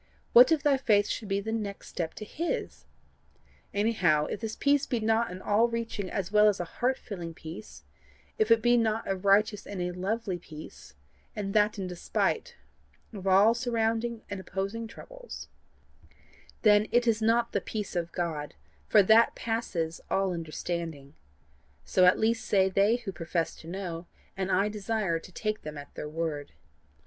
What if thy faith should be the next step to his? Anyhow, if this peace be not an all reaching as well as a heart filling peace; if it be not a righteous and a lovely peace, and that in despite of all surrounding and opposing troubles, then it is not the peace of God, for that passeth all understanding: so at least say they who profess to know, and I desire to take them at their word.